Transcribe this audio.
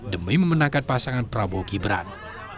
demi memenangkan pasangan prabowo gibran